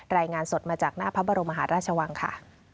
รายงานสดมาจากหน้าพระบรมหาราชวังค่ะ